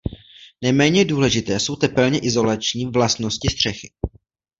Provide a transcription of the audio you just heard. Neméně důležité jsou tepelně izolační vlastnosti střechy.